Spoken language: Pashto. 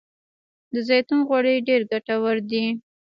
د زیتون غوړي ډیر ګټور دي.